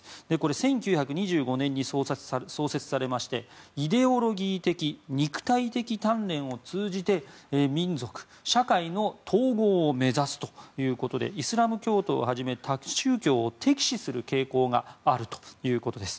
１９２５年に創設されましてイデオロギー的肉体的鍛錬を通じて民族、社会の統合を目指すということでイスラム教徒をはじめ他宗教を敵視する傾向があるということです。